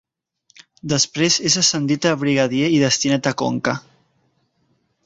Després és ascendit a brigadier i destinat a Conca.